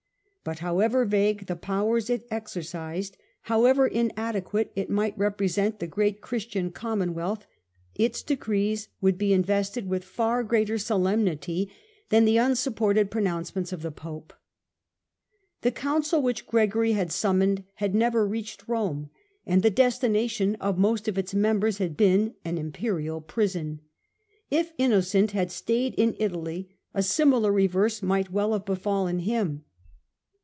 But however vague the powers it exercised, however in adequately it might represent the great Christian Commonwealth, its decrees would be invested with far 223 224 STUPOR MUNDI greater solemnity than the unsupported pronounce ment of the Pope. The Council which Gregory had summoned had never reached Rome, and the destination of most of its members had been an Imperial prison. If Innocent had stayed in Italy a similar reverse might well have befallen him.